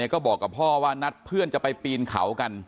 ก็บอกกับพ่อว่านัดเพื่อนจะไปปีนเขากัน